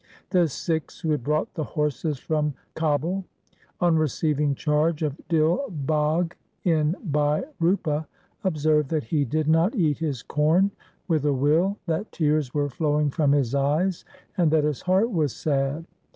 The Sikhs who had brought the horses from Kabul, on receiving charge of Dil Bagh in BhaiRupa, observed that he did not eat his corn with a will, that tears were flowing from his eyes, and that his heart was sad.